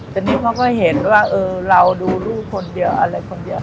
แต่นี่เขาก็เห็นว่าเราดูลูกคนเดียวอะไรคนเดียว